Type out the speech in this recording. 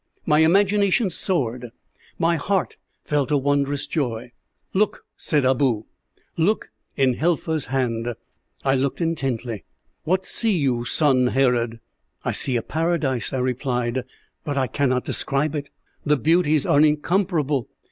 My imagination soared, my heart felt a wondrous joy. "'Look,' said Abou, 'look in Helfa's hand.' "I looked intently. "'What see you, son Herod?' "'I see a paradise,' I replied, 'but I cannot describe it. The beauties are incomparable.